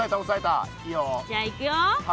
じゃあいくよ。